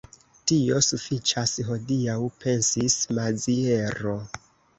Tio sufiĉas hodiaŭ, pensis Maziero.